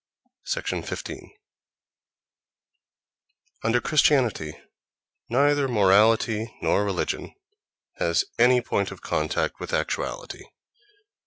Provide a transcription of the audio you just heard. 15. Under Christianity neither morality nor religion has any point of contact with actuality.